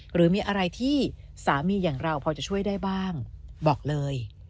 หรือมีอะไรที่สามีอย่างเราพอจะช่วยได้บ้างบอกเลย